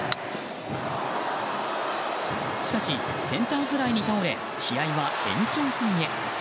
しかし、センターフライに倒れ試合は延長戦へ。